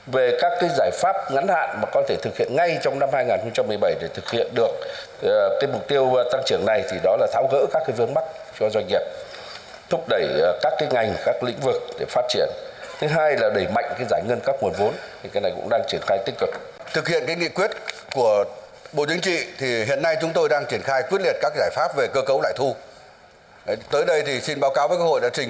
về các giải pháp ngắn hạn mà có thể thực hiện ngay trong năm hai nghìn một mươi bảy để thực hiện được mục tiêu tăng trưởng này thì đó là tháo gỡ các vướng mắt cho doanh nghiệp thúc đẩy các ngành các lĩnh vực để phát triển